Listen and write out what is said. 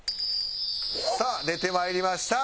さあ出てまいりました。